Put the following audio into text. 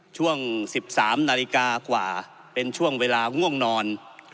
ช่วง๑๓นาฬิกากว่าเป็นช่วงเวลาง่วงนอน